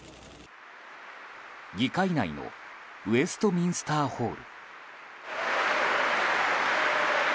議会内のウェストミンスターホール。